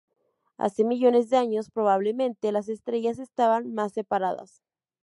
Hace millones de años, probablemente las estrellas estaban más separadas.